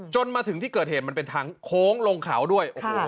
มาถึงที่เกิดเหตุมันเป็นทางโค้งลงเขาด้วย